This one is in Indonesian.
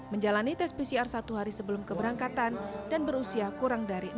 menjalani tes pcr satu hari sebelum keberangkatan dan berusia kurang dari enam tahun